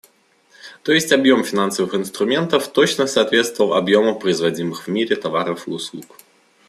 То есть объем финансовых инструментов точно соответствовал объему производимых в мире товаров и услуг.